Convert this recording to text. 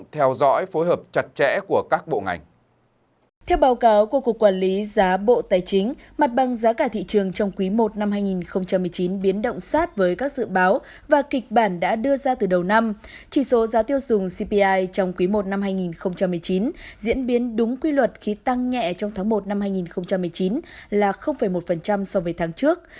tổ giá tiêu dùng cpi trong quý i năm hai nghìn một mươi chín diễn biến đúng quy luật khi tăng nhẹ trong tháng i năm hai nghìn một mươi chín là một so với tháng trước